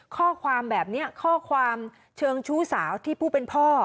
ข้อความแบบนี้ข้อความเชิงชู้สาวที่ผู้เป็นพ่อ